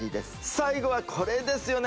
最後はこれですよね